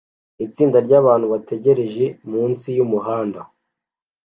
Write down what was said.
Itsinda ryabantu bategereje munsi yumuhanda